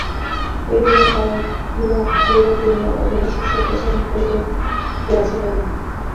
এই বলিয়া পায়ের ধুলা লইবার জন্য অবিনাশ হস্ত প্রসারণ করিতেই গোরা সরিয়া গেল।